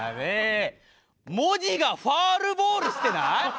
文字がファウルボールしてない？